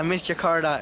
i miss jakarta